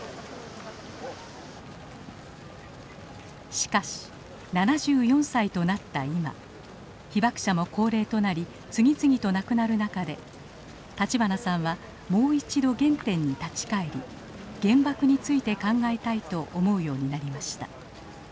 しかし７４歳となった今被爆者も高齢となり次々と亡くなる中で立花さんはもう一度原点に立ち返り原爆について考えたいと思うようになりました。